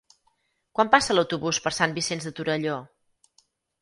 Quan passa l'autobús per Sant Vicenç de Torelló?